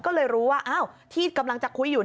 ก็เลยรู้ว่าอ้าวที่กำลังจะคุยอยู่